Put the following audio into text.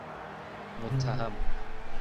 متهم